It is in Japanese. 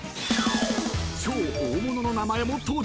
［超大物の名前も登場］